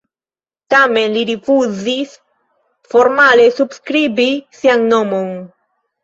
Tamen li rifuzis formale subskribi sian nomon.